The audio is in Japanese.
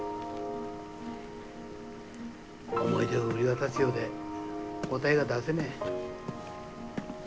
思い出を売り渡すようで答えが出せねえ。